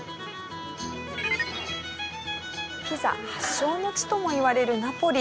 ピザ発祥の地ともいわれるナポリ。